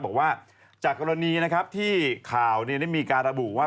บอกว่าจากกรณีนะครับที่ข่าวได้มีการระบุว่า